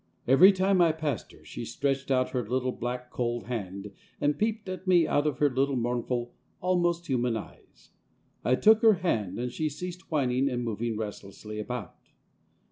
Every time I passed by her she stretched out her little, black, cold hand, and peeped up at me out of her little mournful, almost human eyes. I took her hand, and she ceased whining and moving restlessly about.